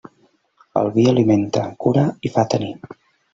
El vi alimenta, cura i fa tenir.